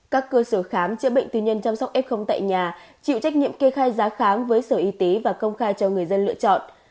các cơ sở khám chữa bệnh tư nhân chăm sóc f tại nhà chịu trách nhiệm kê khai giá khám với sở y tế và công khai cho người dân lựa chọn